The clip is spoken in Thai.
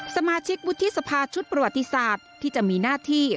สมาชิกวุฒิสภาชุดประวัติศาสตร์ที่จะมีหน้าที่